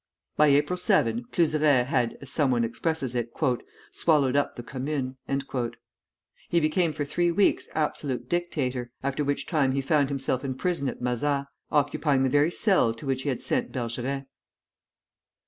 By April 7, Cluseret had, as some one expresses it, "swallowed up the Commune." He became for three weeks absolute dictator; after which time he found himself in prison at Mazas, occupying the very cell to which he had sent Bergeret.